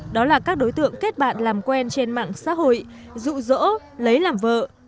đó là các đối tượng kết bạn làm quen trên mạng xã hội dụ dỗ lấy làm vợ